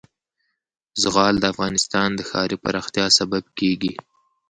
زغال د افغانستان د ښاري پراختیا سبب کېږي.